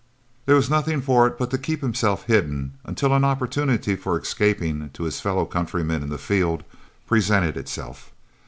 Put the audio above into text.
There was nothing for it but to keep himself hidden until an opportunity for escaping to his fellow countrymen in the field presented itself.